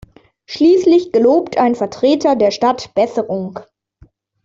Schließlich gelobt ein Vertreter der Stadt Besserung.